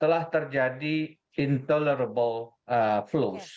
telah terjadi intolerable flows